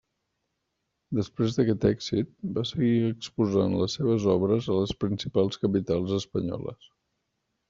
Després d'aquest èxit va seguir exposant les seves obres a les principals capitals espanyoles.